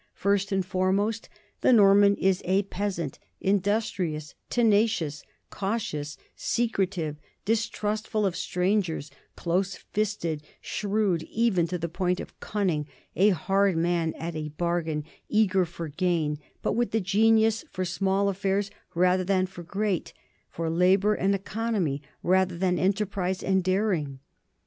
First and foremost, the Norman is a peasant, industrious, tenacious, cautious, secretive, distrustful of strangers, close fisted, shrewd, even to the point of cunning, a hard man at a bargain, eager for gain, but with the genius for small affairs rather than for great, for labor and economy rather than enterprise and daring.